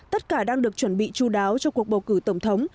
tất cả đang được chuẩn bị chú đáo cho cuộc bầu cử tổng thống